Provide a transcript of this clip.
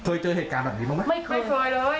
เคยเจอเหตุการณ์แบบนี้บ้างไหมไม่เคยเลย